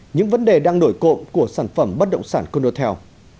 những vấn đề đang nổi cộng của sản phẩm bất động sản condotel